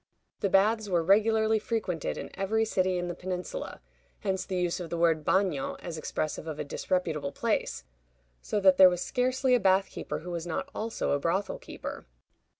The baths were regularly frequented in every city in the Peninsula (hence the use of the word bagnio, as expressive of a disreputable place), so that there was scarcely a bath keeper who was not also a brothel keeper.